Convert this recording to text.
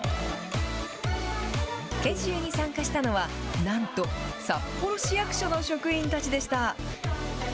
研修に参加したのは、なんと札幌市役所の職員たちでした。